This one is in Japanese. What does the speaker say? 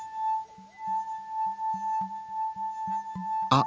あ！